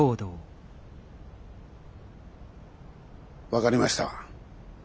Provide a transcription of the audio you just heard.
分かりました。